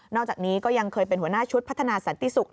อกจากนี้ก็ยังเคยเป็นหัวหน้าชุดพัฒนาสันติศุกร์